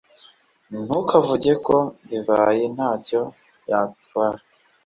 ntukavuge ko divayi nta cyo yagutwara